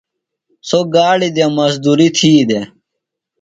سوۡ گاڑیۡ دےۡ مزدُرُری تھی دےۡ۔